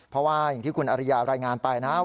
เพราะว่าอย่างที่คุณอริยารายงานไปนะครับ